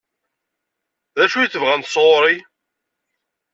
D acu i tebɣamt sɣur-i?